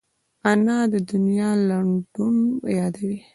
انا د دنیا لنډون یادوي